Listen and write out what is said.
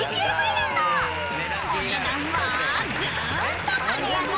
［お値段はぐーんと跳ね上がり］